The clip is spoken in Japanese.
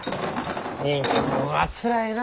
人気者はつらいな。